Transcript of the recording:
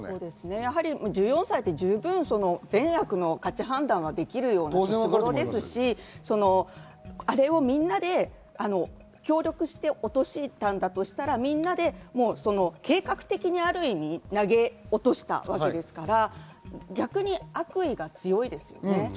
１４歳って十分、善悪の判断はできる年齢ですし、あれをみんなで協力して落としたんだとしたら、ある意味、計画的に投げ落としたわけですから、逆に悪意が強いですね。